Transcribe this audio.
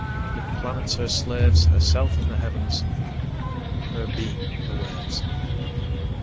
'Mid planets her slaves, Herself in the Heavens, Her beam on the waves.